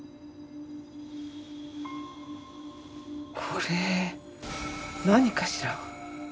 これ何かしら？